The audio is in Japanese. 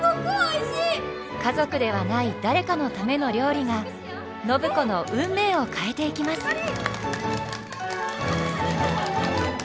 家族ではない誰かのための料理が暢子の運命を変えていきます！